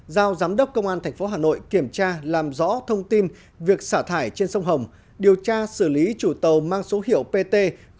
giao giám đốc công an tp hà nội kiểm tra làm rõ thông tin việc xả thải trên sông hồng điều tra xử lý chủ tàu mang số hiệu pt bảy trăm bảy mươi